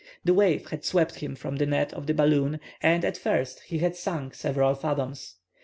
The wave had swept him from the net of the balloon, and at first he had sunk several fathoms.